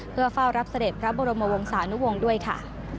เพื่อเฝ้ารับเสด็จพระบรมวงศานุวงศ์ด้วยค่ะ